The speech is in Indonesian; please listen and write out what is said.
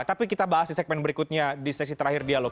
tapi kita bahas di segmen berikutnya di sesi terakhir dialog